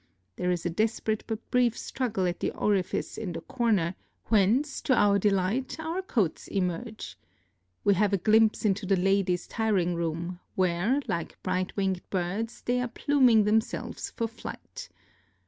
There is a desperate but brief struggle at the orifice in the corner, whence, to our delight, our coats emerge. We have a glimpse into the ladies' tiring room, where, like bright winged birds, they are pluming themselves for flight.